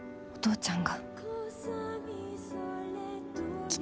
お父ちゃん！